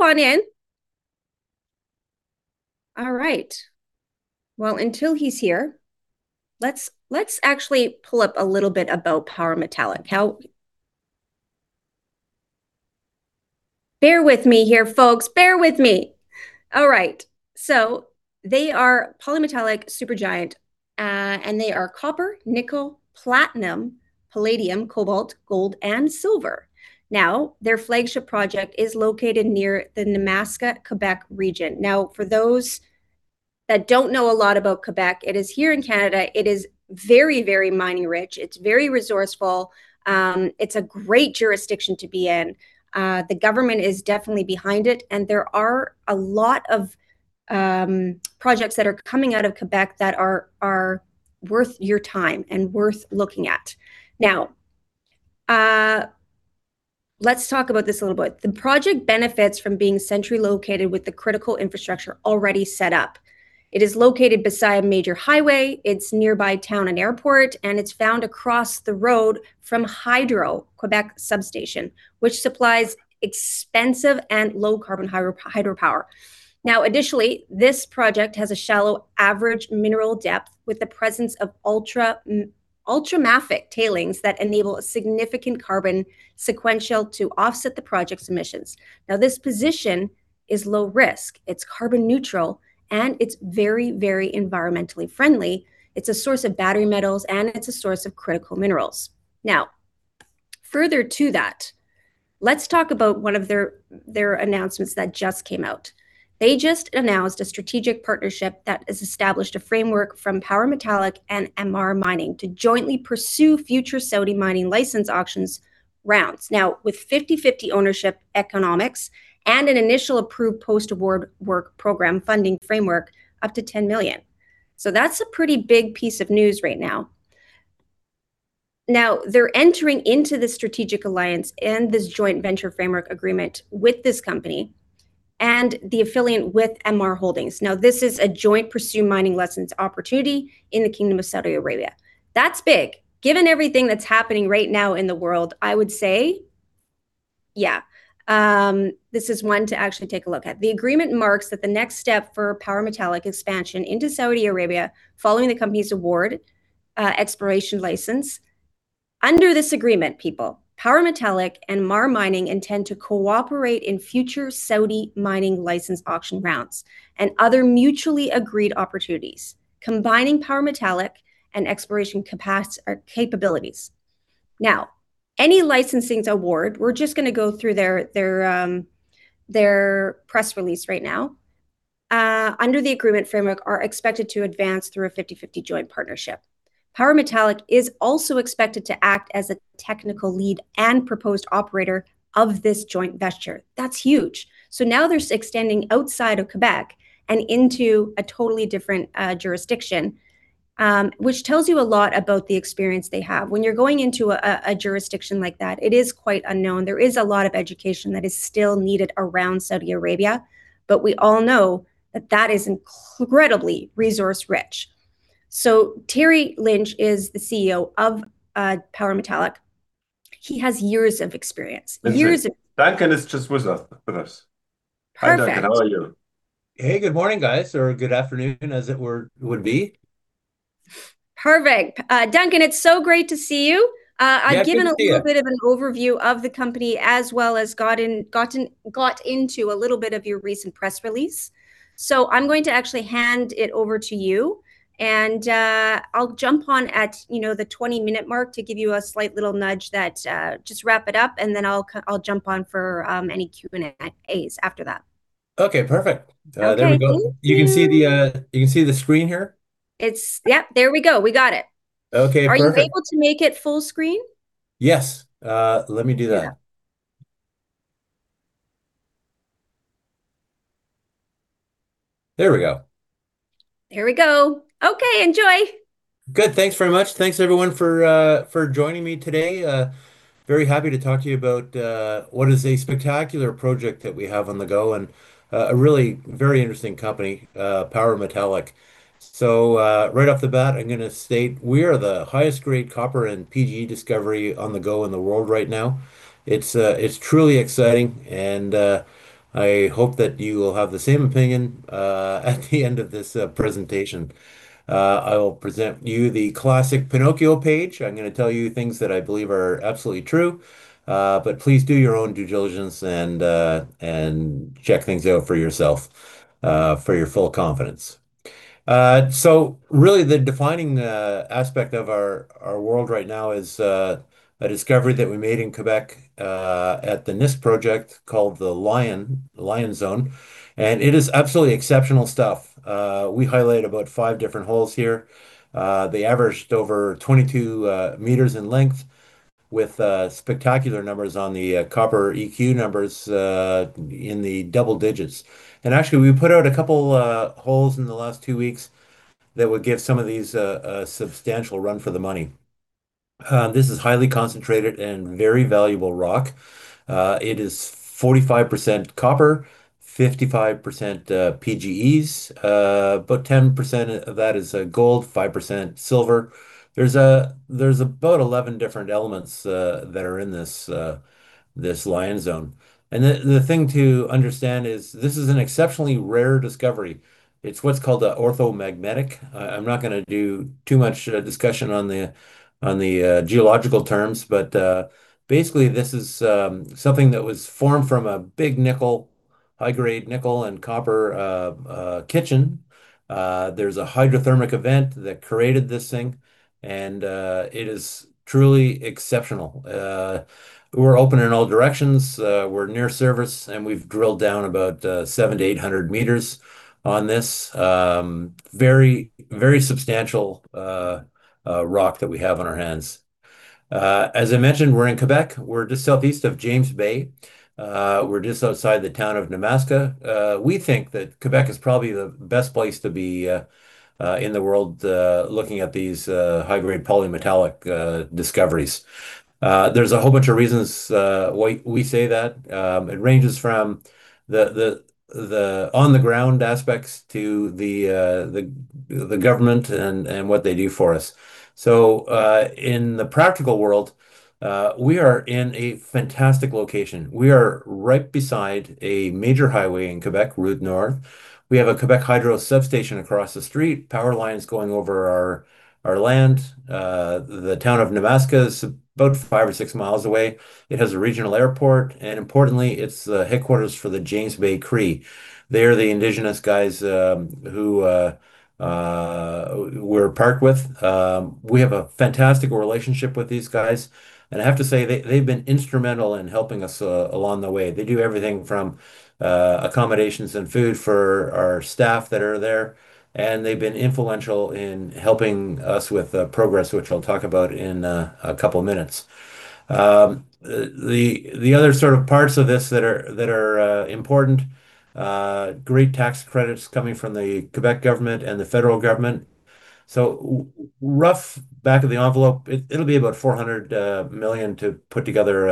Pop on in. All right. Well, until he's here, let's actually pull up a little bit about Power Metallic. Bear with me here, folks. Bear with me. All right. They are polymetallic super giant. They are copper, nickel, platinum, palladium, cobalt, gold, and silver. Their flagship project is located near the Nemaska, Quebec region. For those that don't know a lot about Quebec, it is here in Canada. It is very mining rich. It's very resourceful. It's a great jurisdiction to be in. The government is definitely behind it. There are a lot of projects that are coming out of Quebec that are worth your time and worth looking at. Let's talk about this a little bit. The project benefits from being centrally located with the critical infrastructure already set up. It is located beside a major highway, its nearby town and airport, and it's found across the road from Hydro-Québec substation, which supplies expensive and low-carbon hydropower. Additionally, this project has a shallow average mineral depth with the presence of ultramafic tailings that enable a significant carbon sequestration to offset the project's emissions. This position is low risk, it's carbon neutral, and it's very environmentally friendly. It's a source of battery metals, and it's a source of critical minerals. Further to that, let's talk about one of its announcements that just came out. They just announced a strategic partnership that has established a framework from Power Metallic and Amaar Mining to jointly pursue future Saudi mining license auctions rounds. With 50/50 ownership economics and an initial approved post-award work program funding framework up to $10 million. That's a pretty big piece of news right now. They're entering into this strategic alliance and this joint venture framework agreement with this company and the affiliate with Amaar Holding. This is a joint pursue mining license opportunity in the Kingdom of Saudi Arabia. That's big. Given everything that's happening right now in the world, I would say, yeah, this is one to actually take a look at. The agreement marks that the next step for Power Metallic expansion into Saudi Arabia following the company's award exploration license. Under this agreement, people, Power Metallic and Amaar Mining intend to cooperate in future Saudi mining license auction rounds and other mutually agreed opportunities, combining Power Metallic and exploration capabilities. Any licensing award, we're just going to go through their press release right now. Under the agreement framework are expected to advance through a 50/50 joint partnership. Power Metallic is also expected to act as a technical lead and proposed operator of this joint venture. That's huge. Now they're extending outside of Quebec and into a totally different jurisdiction, which tells you a lot about the experience they have. When you're going into a jurisdiction like that, it is quite unknown. There is a lot of education that is still needed around Saudi Arabia, but we all know that that is incredibly resource-rich. Terry Lynch is the CEO of Power Metallic. He has years of experience. Duncan is just with us. Perfect. Hi, Duncan. How are you? Hey, good morning, guys, or good afternoon, as it would be. Perfect. Duncan, it's so great to see you. Yeah. Good to see you. I've given a little bit of an overview of the company, as well as got into a little bit of your recent press release. I'm going to actually hand it over to you, and I'll jump on at the 20-minute mark to give you a slight little nudge that just wrap it up, and then I'll jump on for any Q&As after that. Okay, perfect. Okay. There we go. You can see the screen here? Yep. There we go. We got it. Okay, perfect. Are you able to make it full screen? Yes. Let me do that. Yeah. There we go. There we go. Okay, enjoy. Good. Thanks very much. Thanks everyone for joining me today. Very happy to talk to you about what is a spectacular project that we have on the go, and a really very interesting company, Power Metallic. Right off the bat, I'm going to state we are the highest-grade copper and PGE discovery on the go in the world right now. It's truly exciting, and I hope that you will have the same opinion at the end of this presentation. I will present you the classic Pinocchio page. I'm going to tell you things that I believe are absolutely true, but please do your own due diligence and check things out for yourself for your full confidence. Really the defining aspect of our world right now is a discovery that we made in Quebec, at the Nisk Project called the Lion Zone, and it is absolutely exceptional stuff. We highlighted about five different holes here. They averaged over 22 m in length with spectacular numbers on the CuEq numbers in the double digits. Actually, we put out a couple holes in the last two weeks that would give some of these a substantial run for the money. This is highly concentrated and very valuable rock. It is 45% copper, 55% PGEs, about 10% of that is gold, 5% silver. There's about 11 different elements that are in this Lion Zone. The thing to understand is this is an exceptionally rare discovery. It's what's called an orthomagmatic. I'm not going to do too much discussion on the geological terms, but basically, this is something that was formed from a big nickel, high-grade nickel and copper kitchen. There's a hydrothermal event that created this thing, and it is truly exceptional. We're open in all directions. We're near surface, and we've drilled down about 700 m-800 m on this very substantial rock that we have on our hands. As I mentioned, we're in Quebec. We're just southeast of James Bay. We're just outside the town of Nemaska. We think that Quebec is probably the best place to be in the world looking at these high-grade polymetallic discoveries. There's a whole bunch of reasons why we say that. It ranges from the on the ground aspects to the government and what they do for us. In the practical world, we are in a fantastic location. We are right beside a major highway in Quebec, Route du Nord. We have a Hydro-Québec substation across the street, power lines going over our land. The town of Nemaska is about 5 or 6 mi away. It has a regional airport. Importantly, it's the headquarters for the James Bay Cree. They are the Indigenous guys who we're parked with. We have a fantastic relationship with these guys. I have to say, they've been instrumental in helping us along the way. They do everything from accommodations and food for our staff that are there. They've been influential in helping us with progress, which I'll talk about in a couple of minutes. The other sort of parts of this that are important, great tax credits coming from the Quebec government and the federal government. Rough back of the envelope, it'll be about 400 million to put together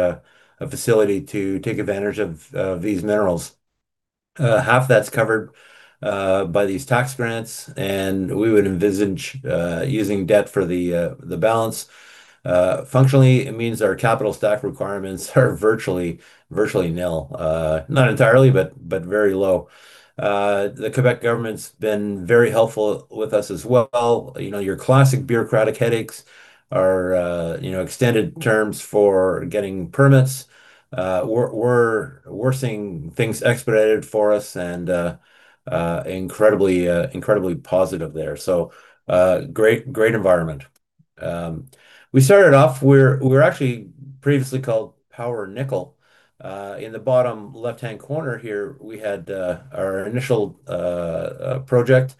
a facility to take advantage of these minerals. Half that's covered by these tax grants. We would envisage using debt for the balance. Functionally, it means our capital stack requirements are virtually nil. Not entirely, but very low. The Quebec government's been very helpful with us as well. Your classic bureaucratic headaches are extended terms for getting permits. We're seeing things expedited for us and incredibly positive there. Great environment. We started off, we were actually previously called Power Nickel. In the bottom left-hand corner here, we had our initial project,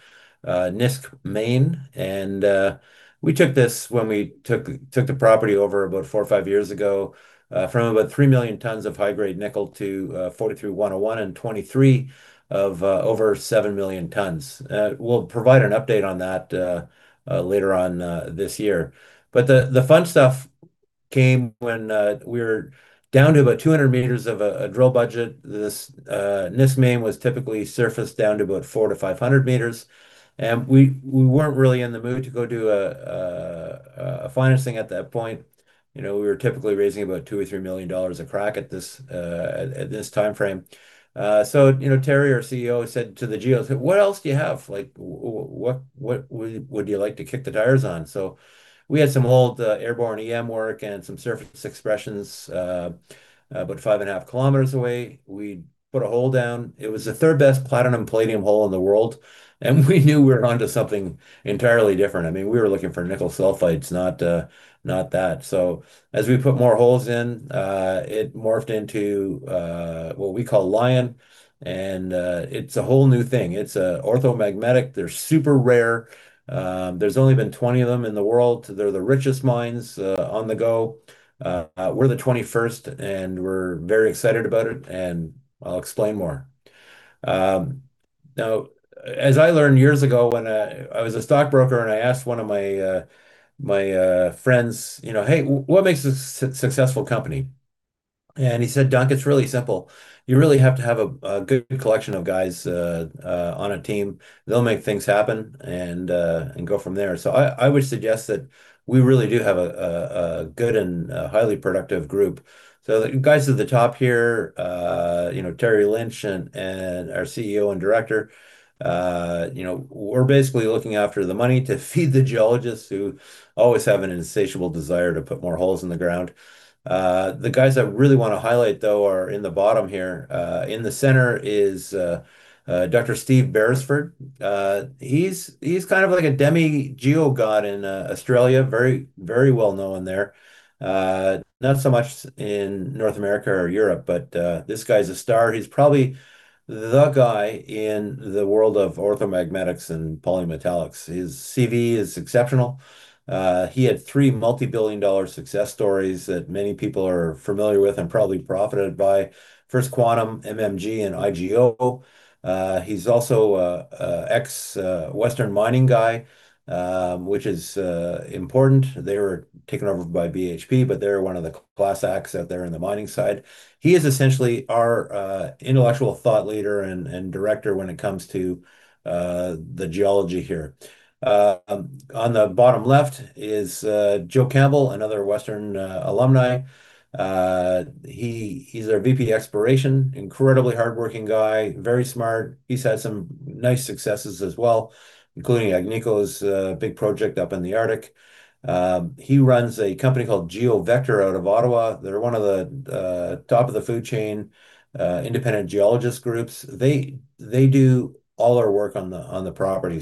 Nisk Main. We took this when we took the property over about four or five years ago from about 3 million tons of high-grade nickel to 43-101 in 2023 of over 7 million tons. We'll provide an update on that later on this year. The fun stuff came when we were down to about 200 m of a drill budget. This Nisk Main was typically surfaced down to about 400 m-500 m, and we weren't really in the mood to go do a financing at that point. We were typically raising about 2 million or 3 million dollars a crack at this timeframe. Terry, our CEO, said to the geos, "What else do you have? What would you like to kick the tires on?" We had some old airborne EM work and some surface expressions about 5.5 km away. We put a hole down. It was the third-best platinum palladium hole in the world, and we knew we were onto something entirely different. We were looking for nickel sulfides, not that. As we put more holes in, it morphed into what we call Lion, and it's a whole new thing. It's a orthomagmatic. They're super rare. There's only been 20 of them in the world. They're the richest mines on the go. We're the 21st, and we're very excited about it, and I'll explain more. As I learned years ago when I was a stockbroker, I asked one of my friends, "Hey, what makes a successful company?" He said, "Duncan, it's really simple. You really have to have a good collection of guys on a team. They'll make things happen and go from there." I would suggest that we really do have a good and highly productive group. The guys at the top here, Terry Lynch and our CEO and Director, we're basically looking after the money to feed the geologists who always have an insatiable desire to put more holes in the ground. The guys I really want to highlight, though, are in the bottom here. In the center is Dr. Steve Beresford. He's kind of like a demi geo god in Australia, very well known there. Not so much in North America or Europe, but this guy's a star. He's probably the guy in the world of orthomagmatics and polymetallics. His CV is exceptional. He had three multi-billion dollar success stories that many people are familiar with and probably profited by. First Quantum, MMG, and IGO. He's also ex Western Mining guy, which is important. They were taken over by BHP, but they're one of the class acts out there in the mining side. He is essentially our intellectual thought leader and director when it comes to the geology here. On the bottom left is Joe Campbell, another Western alumni. He's our VP Exploration. Incredibly hardworking guy, very smart. He's had some nice successes as well, including Agnico's big project up in the Arctic. He runs a company called GeoVector out of Ottawa. They're one of the top of the food chain, independent geologist groups. They do all our work on the property.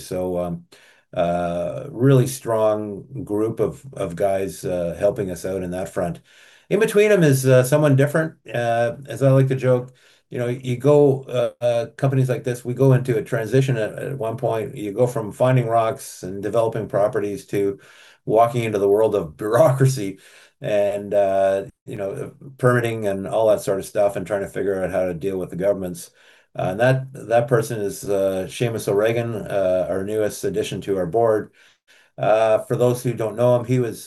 Really strong group of guys helping us out in that front. In between them is someone different. As I like to joke, companies like this, we go into a transition at one point. You go from finding rocks and developing properties to walking into the world of bureaucracy and permitting and all that sort of stuff, and trying to figure out how to deal with the governments. That person is Seamus O'Regan, our newest addition to our board. For those who don't know him, he was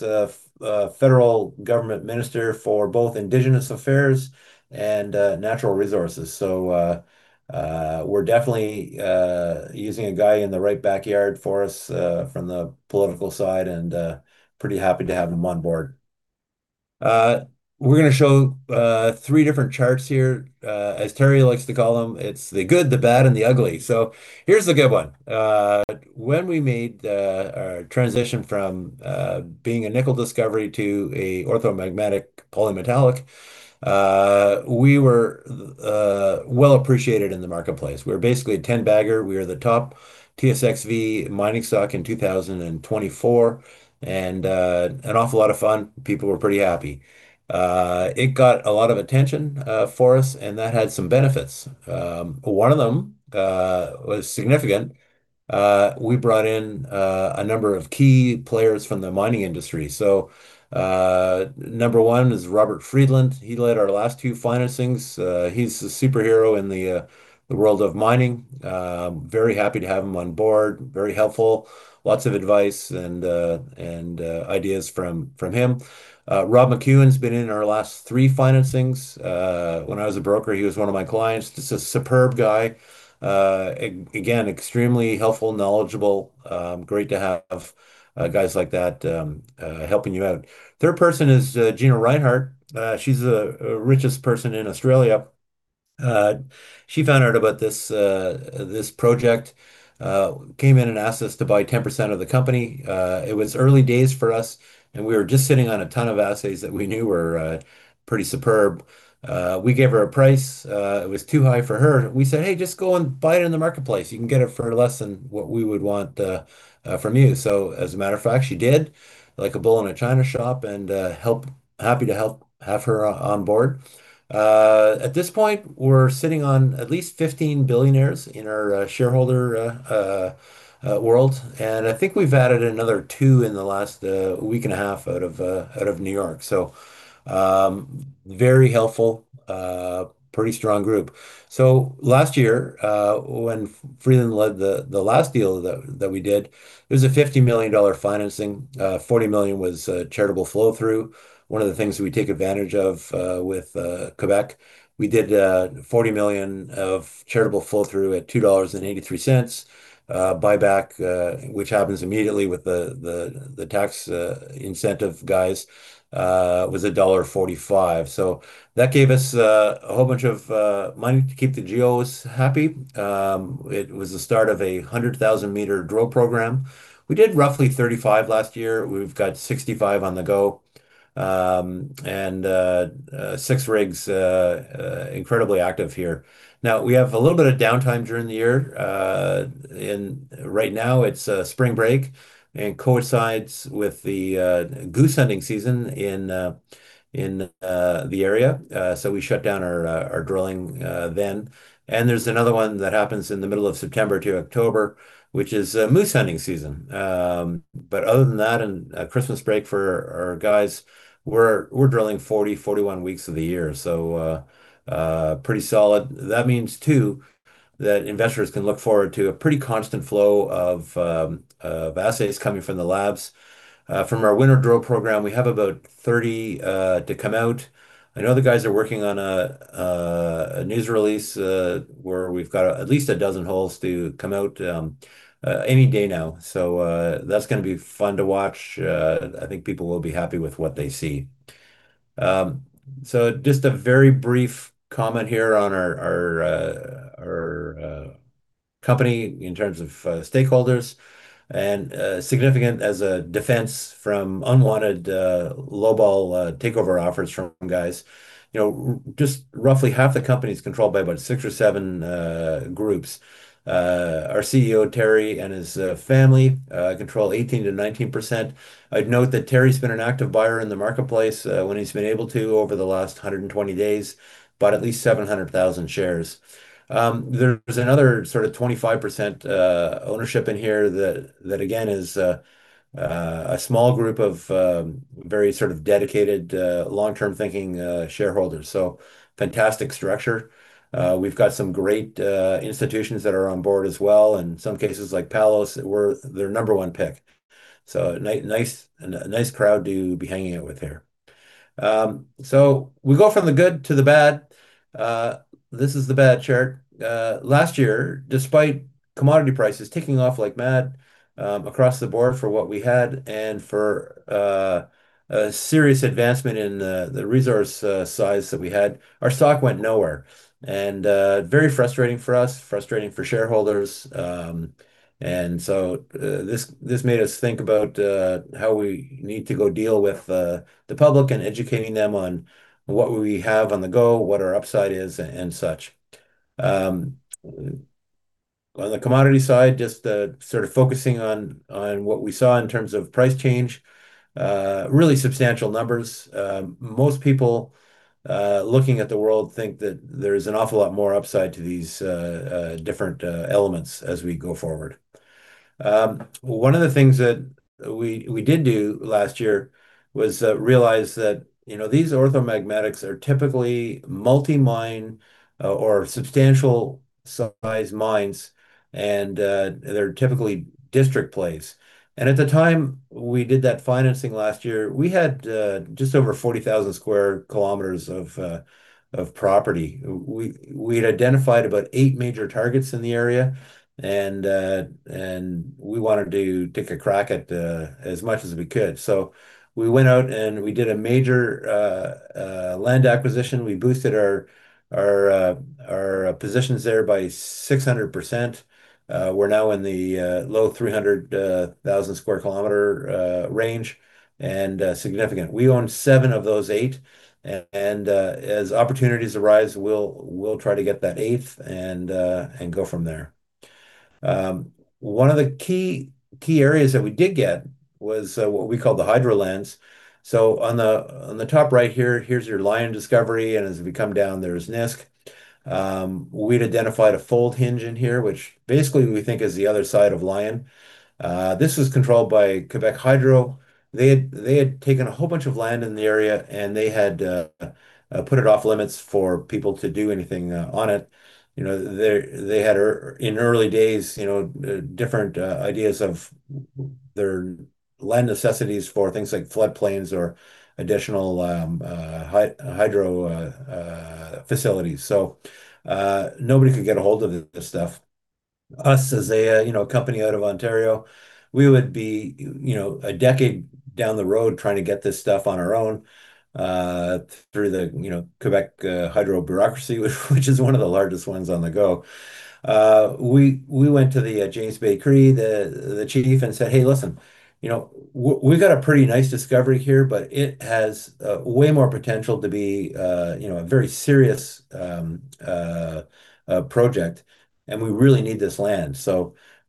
federal government minister for both Indigenous Affairs and Natural Resources. We're definitely using a guy in the right backyard for us, from the political side, and pretty happy to have him on board. We're going to show three different charts here. As Terry likes to call them, it's the good, the bad, and the ugly. Here's the good one. When we made our transition from being a nickel discovery to an orthomagmatic polymetallic, we were well appreciated in the marketplace. We were basically a 10 bagger. We were the top TSXV mining stock in 2024. An awful lot of fun. People were pretty happy. It got a lot of attention for us, and that had some benefits. One of them was significant. We brought in a number of key players from the mining industry. Number one is Robert Friedland. He led our last two financings. He's a superhero in the world of mining. Very happy to have him on board, very helpful. Lots of advice and ideas from him. Rob McEwen's been in our last three financings. When I was a broker, he was one of my clients. Just a superb guy. Again, extremely helpful, knowledgeable. Great to have guys like that helping you out. Third person is Gina Rinehart. She's the richest person in Australia. She found out about this project, came in and asked us to buy 10% of the company. It was early days for us, and we were just sitting on a ton of assays that we knew were pretty superb. We gave her a price. It was too high for her. We said, "Hey, just go and buy it in the marketplace. You can get it for less than what we would want from you." As a matter of fact, she did, like a bull in a China shop, and happy to have her on board. At this point, we're sitting on at least 15 billionaires in our shareholder world, and I think we've added another two in the last week and a half out of New York. Very helpful. Pretty strong group. Last year, when Friedland led the last deal that we did, it was a 50 million dollar financing. 40 million was charitable flow-through. One of the things that we take advantage of with Quebec, we did 40 million of charitable flow-through at 2.83 dollars. Buyback, which happens immediately with the tax incentive guys, was dollar 1.45. That gave us a whole bunch of money to keep the geos happy. It was the start of a 100,000 m drill program. We did roughly 35,000 m last year. We've got 65,000 m on the go. Six rigs incredibly active here. Now, we have a little bit of downtime during the year. Right now it's spring break, and coincides with the goose hunting season in the area. We shut down our drilling then. There's another one that happens in the middle of September to October, which is moose hunting season. Other than that, and Christmas break for our guys, we're drilling 40, 41 weeks of the year. Pretty solid. That means too, that investors can look forward to a pretty constant flow of assays coming from the labs. From our winter drill program, we have about 30 to come out. I know the guys are working on a news release, where we've got at least a dozen holes to come out any day now. That's going to be fun to watch. I think people will be happy with what they see. Just a very brief comment here on our company in terms of stakeholders, and significant as a defense from unwanted lowball takeover offers from guys. Just roughly half the company's controlled by about six or seven groups. Our CEO, Terry, and his family control 18%-19%. I'd note that Terry's been an active buyer in the marketplace when he's been able to over the last 120 days. Bought at least 700,000 shares. There's another sort of 25% ownership in here that, again, is a small group of very sort of dedicated, long-term thinking shareholders. Fantastic structure. We've got some great institutions that are on board as well, in some cases, like Palos, we're their number one pick. Nice crowd to be hanging out with here. We go from the good to the bad. This is the bad chart. Last year, despite commodity prices taking off like mad across the board for what we had and for a serious advancement in the resource size that we had, our stock went nowhere. Very frustrating for us, frustrating for shareholders. This made us think about how we need to go deal with the public and educating them on what we have on the go, what our upside is and such. On the commodity side, just sort of focusing on what we saw in terms of price change, really substantial numbers. Most people looking at the world think that there's an awful lot more upside to these different elements as we go forward. One of the things that we did do last year was realize that these orthomagmatics are typically multi-mine or substantial size mines, and they're typically district plays. At the time we did that financing last year, we had just over 40,000 sq km of property. We had identified about eight major targets in the area, and we wanted to take a crack at as much as we could. We went out and we did a major land acquisition. We boosted our positions there by 600%. We are now in the low 300,000 sq km range. Significant. We own seven of those eight, and as opportunities arise, we will try to get that eighth and go from there. One of the key areas that we did get was what we call the Hydro Lands. On the top right here is your Lion discovery, and as we come down, there is Nisk. We had identified a fold hinge in here, which basically we think is the other side of Lion. This was controlled by Hydro-Québec. They had taken a whole bunch of land in the area, and they had put it off limits for people to do anything on it. They had, in early days, different ideas of their land necessities for things like flood plains or additional hydro facilities. Nobody could get a hold of this stuff. Us as a company out of Ontario, we would be a decade down the road trying to get this stuff on our own through the Hydro-Québec bureaucracy, which is one of the largest ones on the go. We went to the James Bay Cree, the chief, and said, "Hey, listen. We've got a pretty nice discovery here, but it has way more potential to be a very serious project, and we really need this land."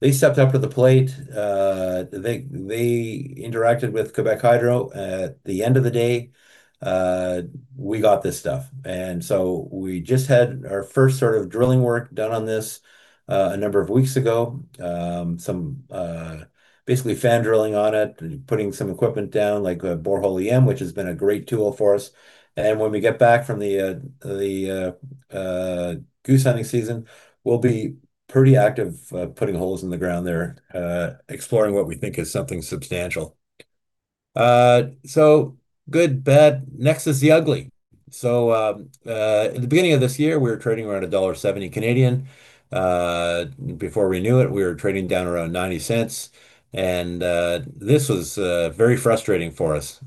They stepped up to the plate. They interacted with Hydro-Québec. At the end of the day, we got this stuff. We just had our first sort of drilling work done on this a number of weeks ago. Some basically fan drilling on it, putting some equipment down, like a borehole EM, which has been a great tool for us. When we get back from the goose hunting season, we'll be pretty active putting holes in the ground there, exploring what we think is something substantial. Good, bad. Next is the ugly. At the beginning of this year, we were trading around 1.70 Canadian dollars. Before we knew it, we were trading down around 0.90, and this was very frustrating for us.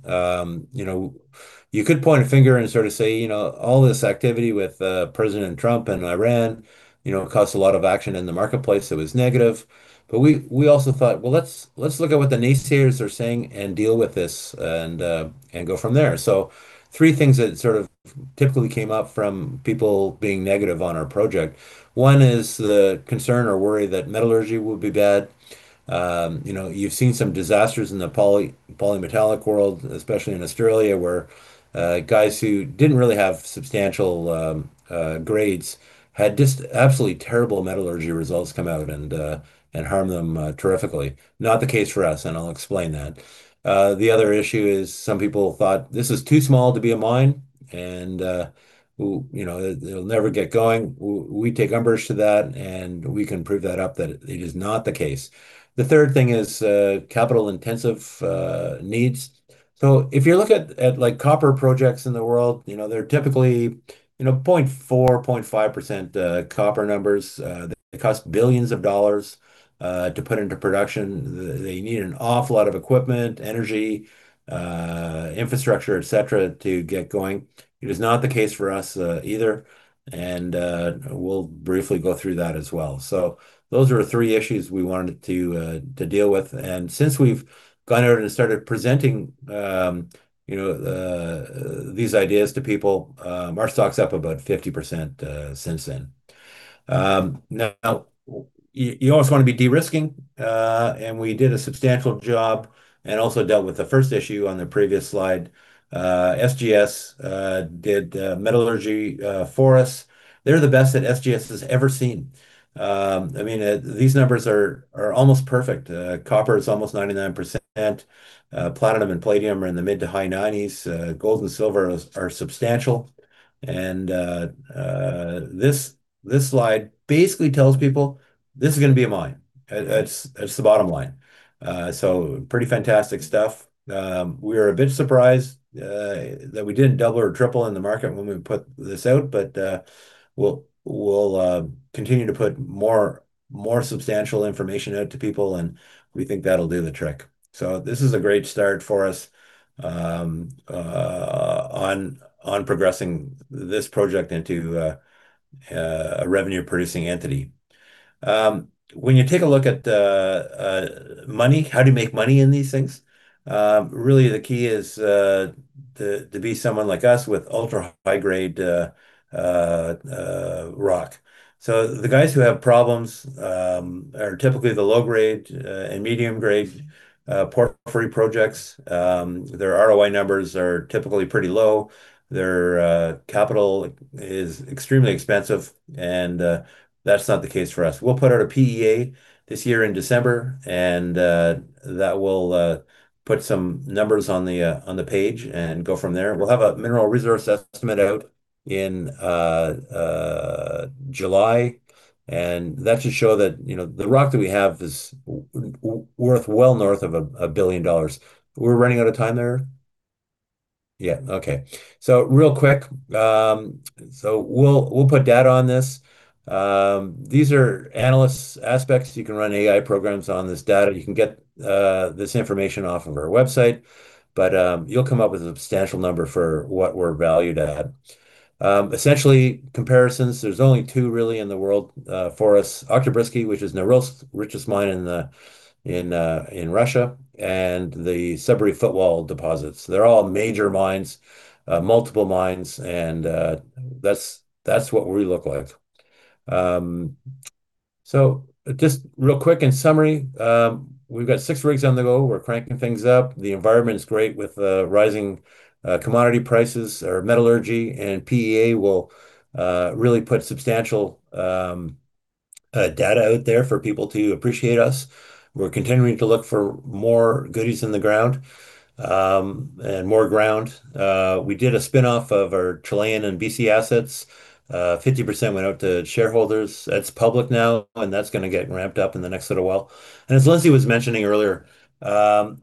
You could point a finger and sort of say all this activity with President Trump and Iran caused a lot of action in the marketplace that was negative. We also thought, well, let's look at what the naysayers are saying and deal with this and go from there. Three things that sort of typically came up from people being negative on our project. One is the concern or worry that metallurgy will be bad. You've seen some disasters in the polymetallic world, especially in Australia, where guys who didn't really have substantial grades had just absolutely terrible metallurgy results come out and harm them terrifically. Not the case for us, and I'll explain that. The other issue is some people thought this is too small to be a mine, and it'll never get going. We take umbrage to that, and we can prove that up that it is not the case. The third thing is capital intensive needs. If you look at copper projects in the world, they're typically 0.4%, 0.5% copper numbers. They cost billions of dollars to put into production. They need an awful lot of equipment, energy, infrastructure, et cetera, to get going. It is not the case for us either, and we'll briefly go through that as well. Those are the three issues we wanted to deal with. Since we've gone out and started presenting these ideas to people, our stock's up about 50% since then. You always want to be de-risking, and we did a substantial job and also dealt with the first issue on the previous slide. SGS did metallurgy for us. They're the best that SGS has ever seen. These numbers are almost perfect. Copper is almost 99%. Platinum and palladium are in the mid to high 90s. Gold and silver are substantial. This slide basically tells people this is going to be a mine. That's the bottom line. Pretty fantastic stuff. We are a bit surprised that we didn't double or triple in the market when we put this out, but we'll continue to put more substantial information out to people, and we think that'll do the trick. This is a great start for us on progressing this project into a revenue-producing entity. When you take a look at money, how do you make money in these things? Really the key is to be someone like us with ultra-high grade rock. The guys who have problems are typically the low-grade and medium-grade porphyry projects. Their ROI numbers are typically pretty low. Their capital is extremely expensive, and that's not the case for us. We'll put out a PEA this year in December, and that will put some numbers on the page and go from there. We'll have a mineral resource estimate out in July. That should show that the rock that we have is worth well north of a billion dollars. We're running out of time there? Yeah. Okay. Real quick, we'll put data on this. These are analyst aspects. You can run AI programs on this data. You can get this information off of our website. You'll come up with a substantial number for what we're valued at. Essentially, comparisons, there's only two really in the world for us. Oktyabrsky, which is the richest mine in Russia, and the Sudbury footwall deposits. They're all major mines, multiple mines, and that's what we look like. Just real quick, in summary, we've got six rigs on the go. We're cranking things up. The environment is great with rising commodity prices or metallurgy, PEA will really put substantial data out there for people to appreciate us. We're continuing to look for more goodies in the ground and more ground. We did a spinoff of our Chilean and B.C. assets. 50% went out to shareholders. That's public now, That's going to get ramped up in the next little while. As Lyndsay was mentioning earlier,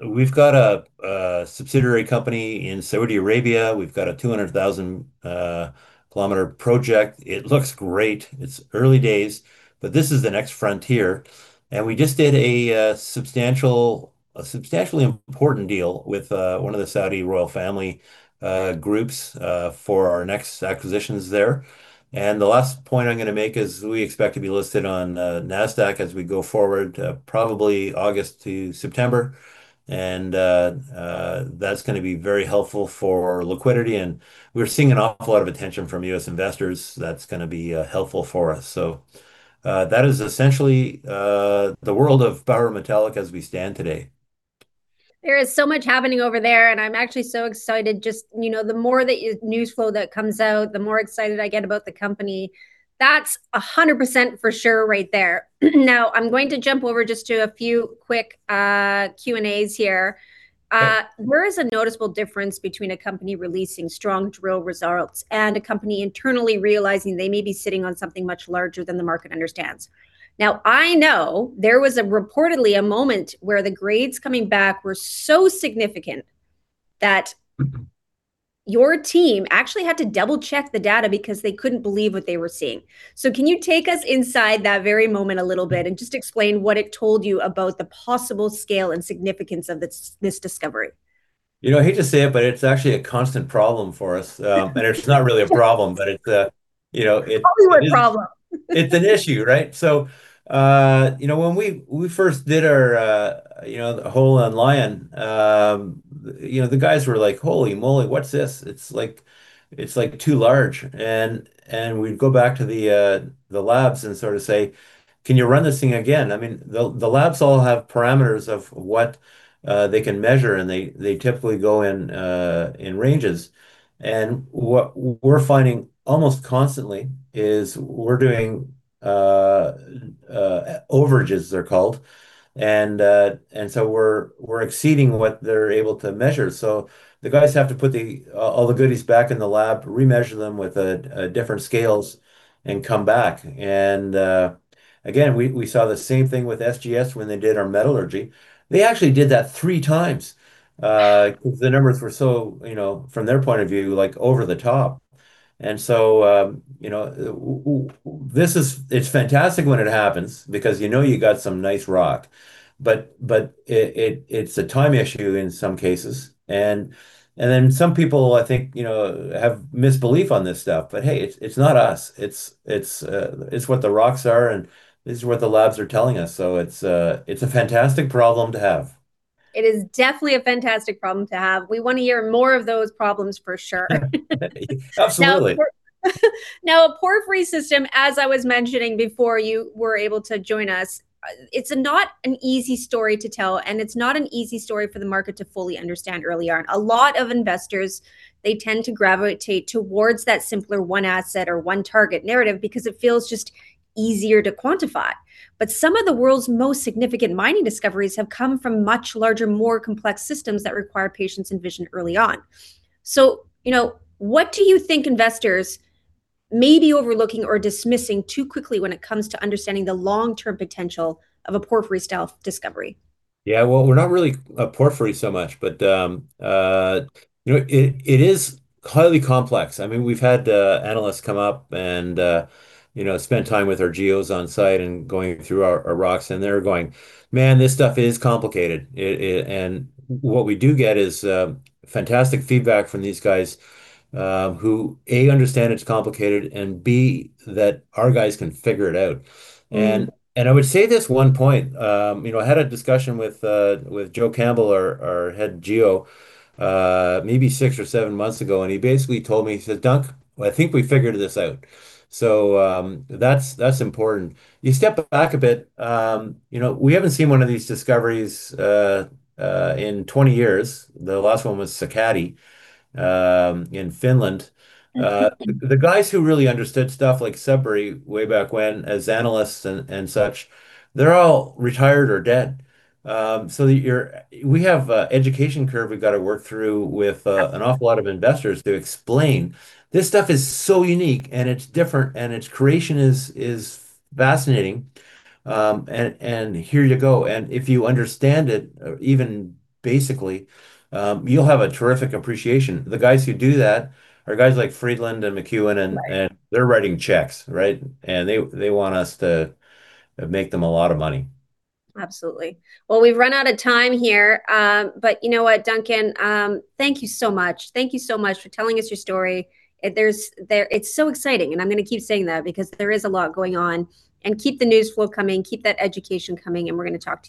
we've got a subsidiary company in Saudi Arabia. We've got a 200,000 km project. It looks great. It's early days, this is the next frontier, we just did a substantially important deal with one of the Saudi royal family groups for our next acquisitions there. The last point I'm going to make is we expect to be listed on NASDAQ as we go forward, probably August to September, and that's going to be very helpful for liquidity, and we're seeing an awful lot of attention from U.S. investors. That's going to be helpful for us. That is essentially the world of Power Metallic as we stand today. There is so much happening over there, and I'm actually so excited. Just the more the news flow that comes out, the more excited I get about the company. That's 100% for sure right there. Now, I'm going to jump over just to a few quick Q&As here. Okay. Where is a noticeable difference between a company releasing strong drill results and a company internally realizing they may be sitting on something much larger than the market understands? Now, I know there was reportedly a moment where the grades coming back were so significant that your team actually had to double-check the data because they couldn't believe what they were seeing. Can you take us inside that very moment a little bit and just explain what it told you about the possible scale and significance of this discovery? I hate to say it, but it's actually a constant problem for us. It's not really a problem. It's always one problem. It's an issue, right? When we first did our hole on Lion, the guys were like, "Holy moly, what's this? It's, like, too large." We'd go back to the labs and sort of say, "Can you run this thing again?" The labs all have parameters of what they can measure, and they typically go in ranges. What we're finding almost constantly is we're doing over-ranges, they're called. We're exceeding what they're able to measure. The guys have to put all the goodies back in the lab, remeasure them with different scales, and come back. Again, we saw the same thing with SGS when they did our metallurgy. They actually did that three times. Wow. The numbers were so, from their point of view, over the top. It's fantastic when it happens because you know you got some nice rock. It's a time issue in some cases. Some people, I think, have misbelief on this stuff. Hey, it's not us. It's what the rocks are, and this is what the labs are telling us, so it's a fantastic problem to have. It is definitely a fantastic problem to have. We want to hear more of those problems, for sure. Absolutely. A porphyry system, as I was mentioning before you were able to join us, it's not an easy story to tell, and it's not an easy story for the market to fully understand early on. A lot of investors, they tend to gravitate towards that simpler one asset or one target narrative because it feels just easier to quantify. Some of the world's most significant mining discoveries have come from much larger, more complex systems that require patience and vision early on. What do you think investors may be overlooking or dismissing too quickly when it comes to understanding the long-term potential of a porphyry-style discovery? Yeah. Well, we're not really a porphyry so much, but it is highly complex. We've had analysts come up and spend time with our geos on site and going through our rocks, and they're going, "Man, this stuff is complicated." What we do get is fantastic feedback from these guys who, A, understand it's complicated, and B, that our guys can figure it out. I would say this one point. I had a discussion with Joe Campbell, our head geo, maybe six or seven months ago, and he basically told me, he said, "Duncan, I think we figured this out." That's important. You step back a bit, we haven't seen one of these discoveries in 20 years. The last one was Sakatti in Finland. The guys who really understood stuff like Sudbury way back when as analysts and such, they're all retired or dead. We have an education curve we've got to work through with an awful lot of investors to explain this stuff is so unique, and it's different, and its creation is fascinating, and here you go. If you understand it, even basically, you'll have a terrific appreciation. The guys who do that are guys like Friedland and McEwen. They're writing checks, right? They want us to make them a lot of money. Absolutely. Well, we've run out of time here. You know what, Duncan? Thank you so much. Thank you so much for telling us your story. It's so exciting. I'm going to keep saying that because there is a lot going on. Keep the news flow coming, keep that education coming, and we're going to talk to you.